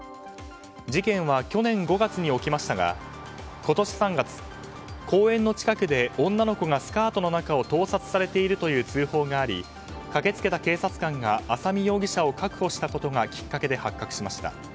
事件は去年５月に起きましたが今年３月、公園の近くで女の子がスカートの中を盗撮されているという通報があり駆け付けた警察官が浅見容疑者を確保したことがきっかけで発覚しました。